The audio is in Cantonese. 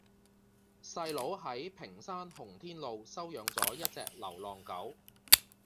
細佬喺屏山洪天路收養左一隻流浪狗